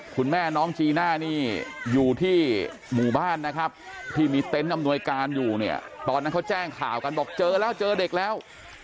คุณแม่น้องจีน่านี่อยู่ที่หมู่บ้านนะครับที่มีเต็นต์อำนวยการอยู่เนี่ยตอนนั้นเขาแจ้งข่าวกันบอกเจอแล้วเจอเด็กแล้ว